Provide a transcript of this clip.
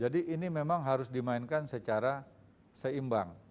jadi ini memang harus dimainkan secara seimbang